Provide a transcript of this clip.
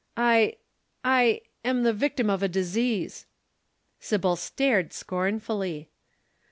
"'I I am the victim of a disease.' "Sybil stared scornfully.